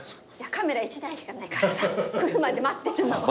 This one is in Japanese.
カメラ１台しかないからさ来るまで待ってたの。